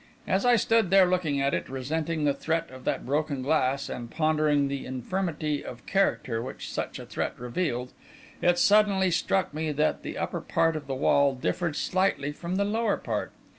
As I stood there looking at it, resenting the threat of that broken glass, and pondering the infirmity of character which such a threat revealed, it suddenly struck me that the upper part of the wall differed slightly from the lower part.